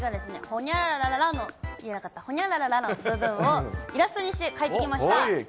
ほにゃららら、言えなかった、ほにゃららの部分をイラストにして描いてきました。